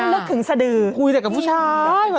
พูดแบบกับผู้ชาย